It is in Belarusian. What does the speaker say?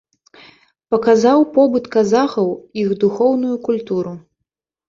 Паказаў побыт казахаў, іх духоўную культуру.